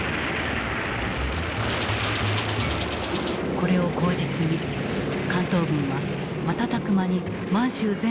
これを口実に関東軍は瞬く間に満州全土を制圧する。